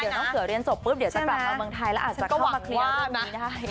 เดี๋ยวน้องเสือเรียนจบปุ๊บเดี๋ยวจะกลับมาเมืองไทยแล้วอาจจะเข้ามาเคลียร์เรื่องนี้ได้